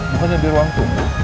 bukannya di ruang tunggu